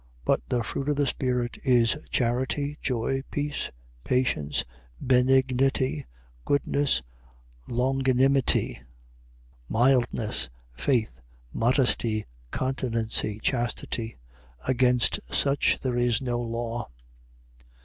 5:22. But the fruit of the Spirit is, charity, joy, peace, patience, benignity, goodness, longanimity, 5:23. Mildness, faith, modesty, continency, chastity. Against such there is no law.